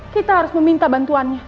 kita harus meminta bantuannya